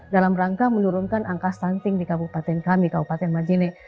dalam rangka menurunkan angka stunting di kabupaten kami kabupaten majene